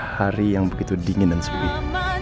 hari yang begitu dingin dan sebagainya